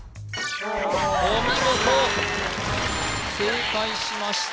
よかったお見事正解しました